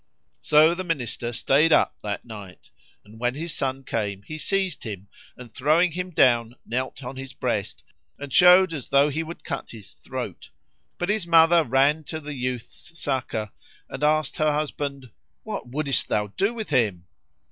So the Minister say up that night and, when his son came, he seized him and throwing him down knelt on his breast and showed as thou he would cut his throat; but his mother ran to the youth's succour and asked her husband, "What wouldest thou do with him?"